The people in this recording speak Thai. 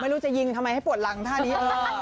ไม่รู้จะยิงทำไมให้ปวดหลังท่านี้